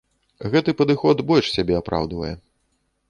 Гэты падыход больш сябе апраўдвае.